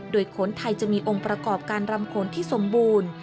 โดยโขนไทยจะมีองค์ประกอบการรำโขนที่สมบูรณ์